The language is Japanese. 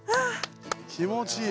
気持ちいい。